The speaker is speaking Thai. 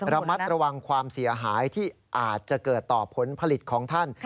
ระมัดระวังความเสียหายที่อาจจะเกิดต่อผลผลิตของท่าน